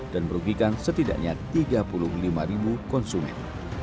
dan merugikan setidaknya tiga puluh lima ribu konsumen